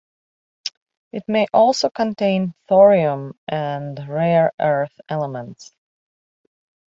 It may also contain thorium, and rare earth elements.